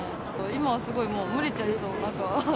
今はすごいもう、蒸れちゃいそう、中は。